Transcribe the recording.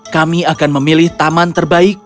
kami akan memilih taman terbaik